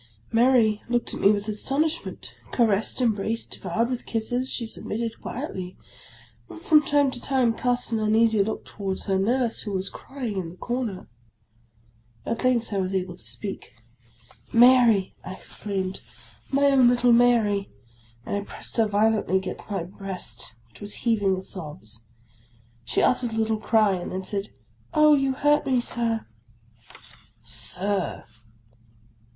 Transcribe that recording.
Mary looked at me with astonishment. Caressed, embraced, devoured with kisses, she submitted quietly ; but, from time to time, cast an uneasy look towards her Nurse, who was crying in the corner. At length I was able to speak. " Mary," I exclaimed. " My own little Mary !" and I pressed her violently gainst my breast, which was heaving with sobs. She uttered a little cry, and then said, " Oh, you hurt me, Sir." " Sir!